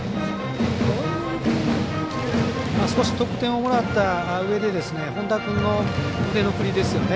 少し得点をもらったうえで本田君の腕の振りですよね。